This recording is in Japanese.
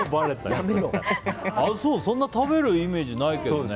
そんなに食べるイメージないけどね。